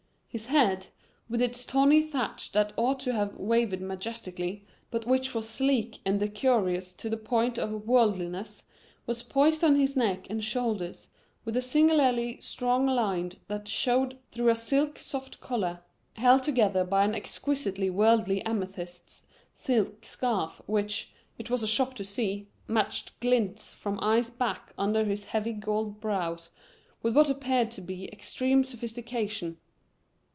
His head, with its tawny thatch that ought to have waved majestically but which was sleek and decorous to the point of worldliness, was poised on his neck and shoulders with a singularly strong line that showed through a silk soft collar, held together by an exquisitely worldly amethyst silk scarf which, it was a shock to see, matched glints from eyes back under his heavy gold brows with what appeared to be extreme sophistication.